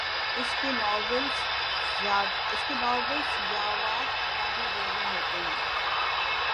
اس کے ناولزیادہ ت کافی بورنگ ہوتے ہے